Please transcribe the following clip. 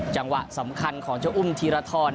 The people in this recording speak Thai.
จังหวะสำคัญของเจ้าอุ้มธีรทร